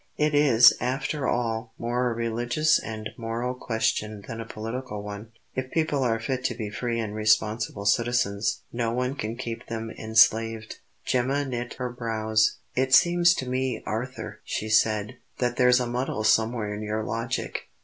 It is, after all, more a religious and moral question than a political one. If people are fit to be free and responsible citizens, no one can keep them enslaved." Gemma knit her brows. "It seems to me, Arthur," she said, "that there's a muddle somewhere in your logic.